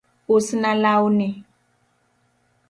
Us na lawni